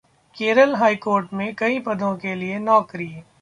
Kerala high court में कई पदों के लिए नौकरी